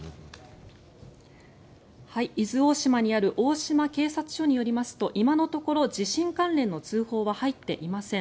伊豆大島にある大島警察署によりますと今のところ、地震関連の通報は入っていません。